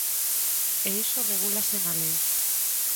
E iso regúlase na lei.